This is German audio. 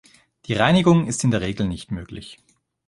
Die Reinigung ist in der Regel nicht möglich.